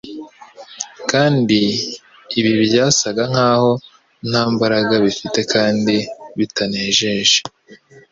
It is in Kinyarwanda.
kandi ibi byasaga nk’aho nta mbaraga bifite kandi bitanejeje